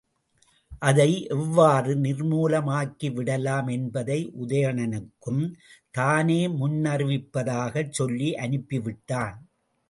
அதை எவ்வாறு நிர்மூலமாக்கி விடலாம் என்பதை உதயணனுக்கும் தானே முன்னறிவிப்பதாகச் சொல்லி அனுப்பிவிட்டான்.